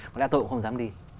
có lẽ tôi cũng không dám đi